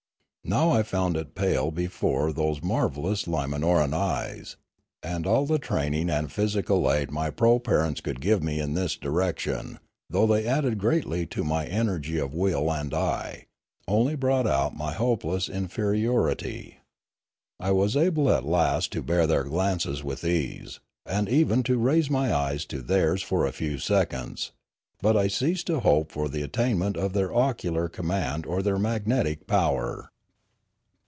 Now I found it pale before those mar My Education Continued 247 vellous Liinanoran eyes, and all the training and physical aid my proparents could give me in this direc tion, though they added greatly to my energy of will and eye, only brought out my hopeless inferiority. I was able at last to bear their glances with ease, and even to raise my eyes to theirs for a few seconds; but I ceased to hope for the attainment of their ocular com mand or their magnetic power.